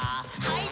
はい。